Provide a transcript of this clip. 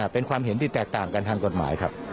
เป็นความเห็นที่แตกต่างกันทางกฎหมายครับ